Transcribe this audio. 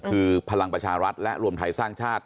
คือพลังประชารัฐและรวมไทยสร้างชาติ